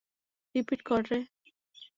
Repeat কর রে।